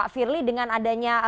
pak firli dengan adanya